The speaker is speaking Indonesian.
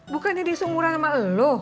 bukannya disunggulan sama elo